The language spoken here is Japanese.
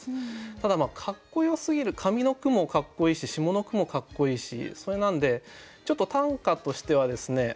ただかっこよすぎる上の句もかっこいいし下の句もかっこいいしそれなんでちょっと短歌としてはですね